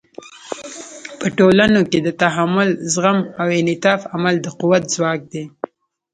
په ټولنو کې د تحمل، زغم او انعطاف عمل د قوت ځواک دی.